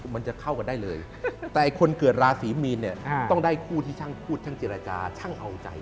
มันจะเข้ากันได้เลยแต่คนเกิดราศีมีนเนี่ยต้องได้คู่ที่ช่างพูดช่างเจรจาช่างเอาใจ